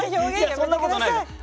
いやそんなことないよ。